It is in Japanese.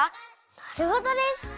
なるほどです！